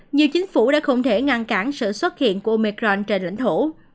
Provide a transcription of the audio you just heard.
nhiều chính phủ đã không thể ngăn cản sự xuất hiện của micron trên lãnh thổ